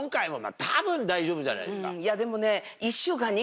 いやでもね。